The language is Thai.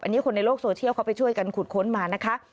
อันนี้คนในโลกโซเชียลเขาไปช่วยกันขุดค้นมานะคะ